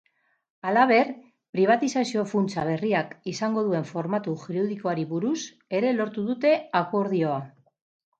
Halaber, pribatizazio-funtsa berriak izango duen formatu juridikoari buruz ere lortu dute akordioa.